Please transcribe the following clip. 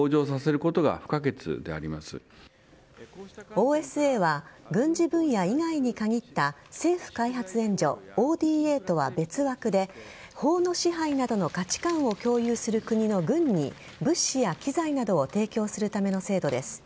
ＯＳＡは軍事分野以外に限った政府開発援助＝ＯＤＡとは別枠で法の支配などの価値観を共有する国の軍に物資や機材などを提供するための制度です。